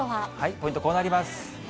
ポイント、こうなります。